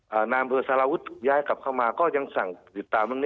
นายอำเภอสารวุฒิถูกย้ายกลับเข้ามาก็ยังสั่งติดตาม